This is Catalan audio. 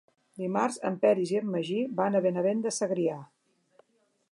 Dimarts en Peris i en Magí van a Benavent de Segrià.